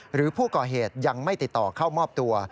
หรือผู้ก่อเหตุยังไม่ติดต่อเข้ามอบตัว